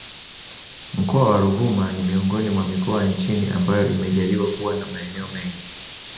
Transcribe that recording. Mkoa wa Ruvuma ni miongoni mwa mikoa nchini ambayo imejaliwa kuwa na maeneo mengi